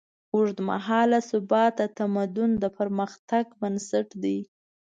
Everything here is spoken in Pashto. اوږدمهاله ثبات د تمدن د پرمختګ بنسټ دی.